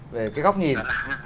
về cái góc nhìn